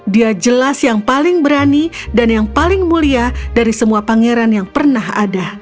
dia jelas yang paling berani dan yang paling mulia dari semua pangeran yang pernah ada